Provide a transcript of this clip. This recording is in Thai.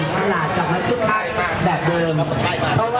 ขายดีแบบเดิม